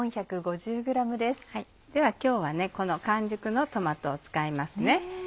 では今日はこの完熟のトマトを使いますね。